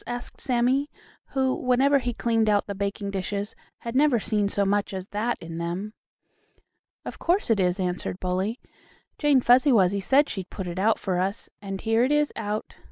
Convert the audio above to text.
asked Sammie, who, whenever he cleaned out the baking dishes, had never seen so much as that in them. "Of course it is," answered Bully. "Jane Fuzzy Wuzzy said she'd put it out for us, and here it is out.